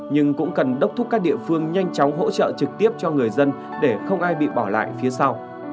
nhưng cũng cần đốc thúc các địa phương nhanh chóng hỗ trợ trực tiếp cho người dân để không ai bị bỏ lại phía sau